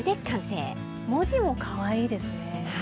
文字もかわいいですね。